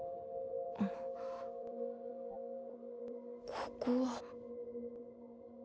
ここは。